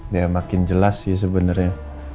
dia makin jelas sih sebenernya